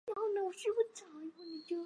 庙也供俸惭愧祖师。